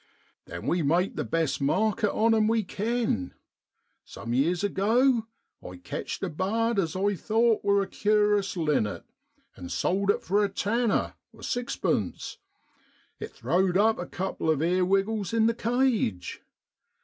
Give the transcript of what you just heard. Then we make the best markit on 'em we ken. Some yeers ago I ketcht a bard as I thowt were a cur'ous linnet, and sold it for a tanner (sixpence). It throwed up a couple of ear wiggles in the cage.